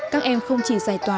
các em không chỉ giải tòa